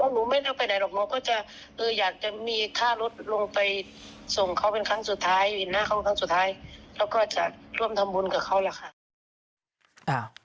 ร่วมทำบุญกับเขาแหละค่ะ